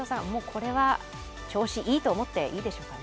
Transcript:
これは調子いいと思っていいですかね？